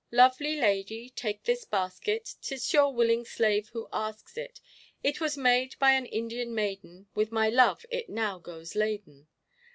"Lovely lady, take this basket: 'Tis your willing slave who asks it. It was made by an Indian maiden With my love it now goes laden."